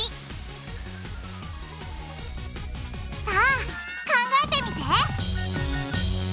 さあ考えてみて！